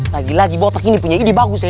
lagi lagi botak ini punya ide bagus ya